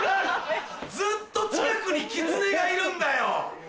ずっと近くにきつねがいるんだよ。